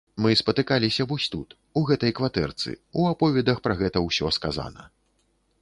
Мы спатыкаліся вось тут, у гэтай кватэрцы, у аповедах пра гэта ўсё сказана.